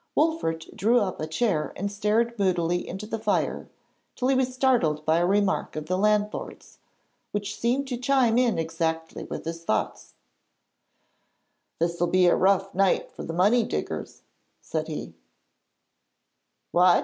Wolfert drew up a chair and stared moodily into the fire till he was startled by a remark of the landlord's, which seemed to chime in exactly with his thoughts. 'This will be a rough night for the money diggers,' said he.